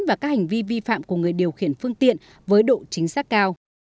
và các hành vi vi phạm của người điều khiển phương tiện với độ chính xác cao